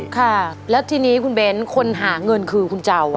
ค่ะแล้วทีนี้คุณเบ้นคนหาเงินคือคุณเจ้า